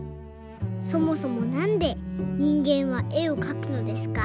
そもそもなんで人間は絵をかくのですか？